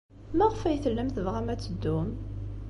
Maɣef ay tellam tebɣam ad teddum?